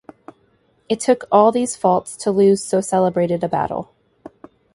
It took all these faults to lose so celebrated a battle.